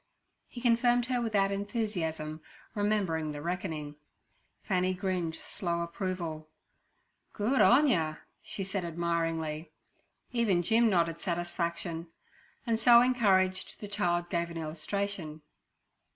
He confirmed her without enthusiasm, remembering the reckoning. Fanny grinned slow approval. 'Good on yer!' she said admiringly. Even Jim nodded satisfaction, and so encouraged, the child gave an illustration.